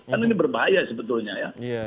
kan ini berbahaya sebetulnya ya